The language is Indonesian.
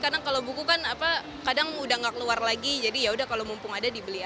kadang kalau buku kan kadang udah gak keluar lagi jadi yaudah kalau mumpung ada dibeli aja